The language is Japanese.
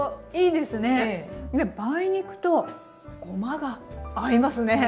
で梅肉とごまが合いますね。